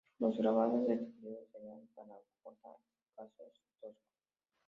Los grabados de este periodo serían, para Jordá, escasos y toscos.